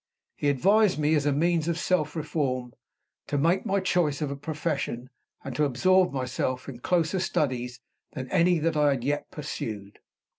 He advised me, as a means of self reform, to make my choice of a profession, and to absorb myself in closer studies than any that I had yet pursued.